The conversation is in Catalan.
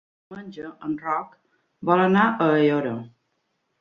Diumenge en Roc vol anar a Aiora.